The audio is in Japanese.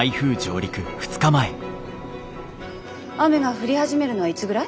雨が降り始めるのはいつぐらい？